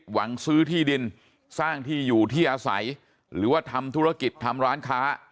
หวังซื้อที่ดินสร้างที่อยู่ที่อาศัยหรือว่าทำธุรกิจทำร้านค้า